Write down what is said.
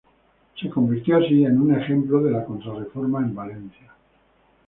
Se convirtió así en un ejemplo de la Contrarreforma en Valencia.